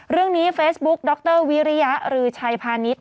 เรื่องนี้เฟซบุ๊กดรวิริยะรือชัยพาณิชย